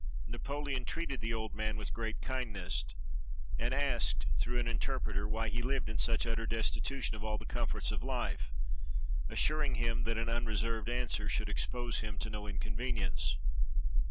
Napoleon treated the old man with great kindness, and asked, through an interj^reter, why he lived in such utter destitution of all the comforts of life, assuring him that an unreserved answer should expose him to no inconvenience.